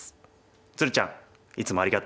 つるちゃんいつもありがとう。